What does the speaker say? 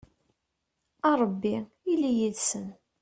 a rebbi ili yid-sen